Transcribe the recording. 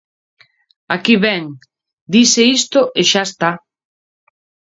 Aquí vén, dise isto e xa está.